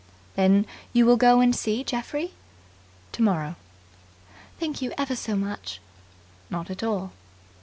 "Then you will go and see Geoffrey?" "Tomorrow." "Thank you ever so much." "Not at all."